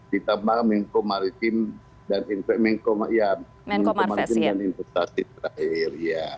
ditambah menko marifim dan investasi terakhir